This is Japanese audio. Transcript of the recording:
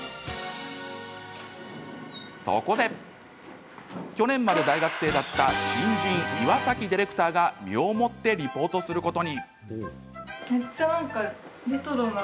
そこで去年まで大学生だった新人岩崎ディレクターが身をもってリポートすることに。